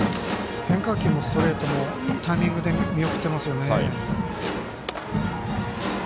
変化球もストレートもいいタイミングで見送っていますよね。